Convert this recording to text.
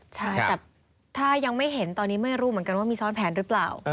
ใช่แต่ถ้ายังไม่เห็นตอนนี้ไม่รู้เหมือนกันว่ามีซ้อนแผนหรือเปล่า